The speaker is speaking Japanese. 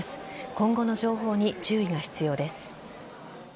今後の情報に注意が必要です。